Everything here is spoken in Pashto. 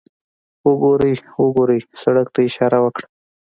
وګورئ، وګورئ، سړک ته یې اشاره وکړه.